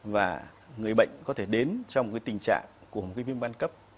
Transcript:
và người bệnh có thể đến trong cái tình trạng của một cái viêm gan cấp